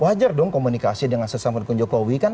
wajar dong komunikasi dengan sesama pendukung jokowi kan